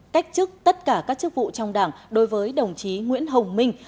cách chức tất cả các chức vụ trong đảng đối với đồng chí nguyễn hồng minh